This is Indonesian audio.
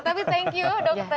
tapi thank you dokter